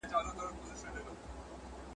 د هغې دوه وروڼه ول